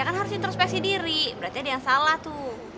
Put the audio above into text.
kan harus introspeksi diri berarti ada yang salah tuh